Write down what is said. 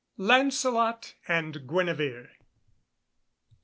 LANCELOT AND GUENEVERE.